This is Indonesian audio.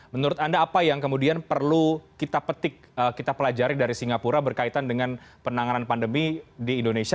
menurut anda apa yang kemudian perlu kita petik kita pelajari dari singapura berkaitan dengan penanganan pandemi di indonesia